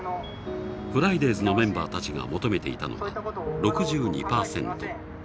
フライデーズのメンバーたちが求めていたのは６２％。